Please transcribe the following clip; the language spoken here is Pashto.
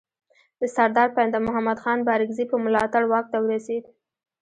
د سردار پاینده محمد خان بارکزي په ملاتړ واک ته ورسېد.